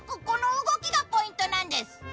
この動きがポイントなんです。